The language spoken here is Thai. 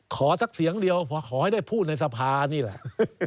สักเสียงเดียวพอขอให้ได้พูดในสภานี่แหละ